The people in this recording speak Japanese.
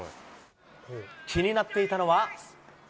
気になっていたのは。